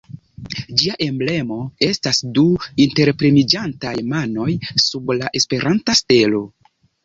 Ĝia emblemo estas du interpremiĝantaj manoj sub la Esperanta stelo.